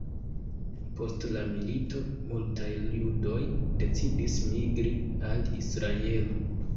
Post la milito, multaj judoj decidis migri al Israelo.